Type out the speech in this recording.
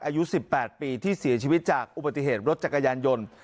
อายุ๑๘ปีที่เสียชีวิตจากอุบัติเหตุรถจักรยานยนต์